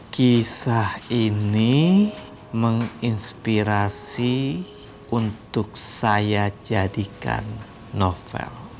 kisah ini menginspirasi untuk saya jadikan novel